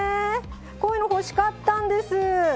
こういうの欲しかったんです。